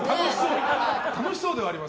楽しそうではあります。